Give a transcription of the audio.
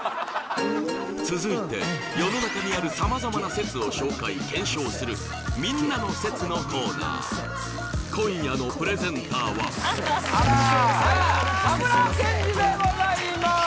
続いて世の中にある様々な説を紹介検証するみんなの説のコーナー今夜のプレゼンターはあらたむらけんじでございます